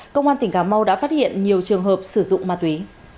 công an tỉnh cà mau đã phát hiện nhiều trường hợp sử dụng ma túy